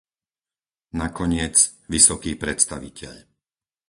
Nakoniec, vysoký predstaviteľ.